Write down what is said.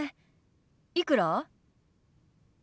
いくら？